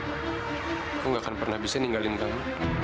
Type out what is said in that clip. aku gak akan pernah bisa ninggalin kamu